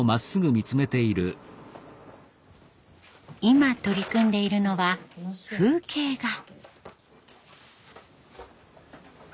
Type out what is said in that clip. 今取り組んでいるのは風景画。